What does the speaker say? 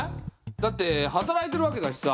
だって働いてるわけだしさ。